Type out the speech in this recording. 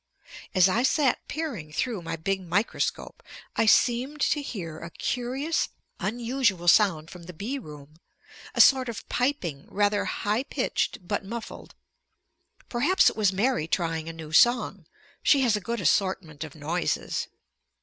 As I sat peering through my big microscope, I seemed to hear a curious unusual sound from the bee room, a sort of piping rather high pitched but muffled. Perhaps it was Mary trying a new song. She has a good assortment of noises.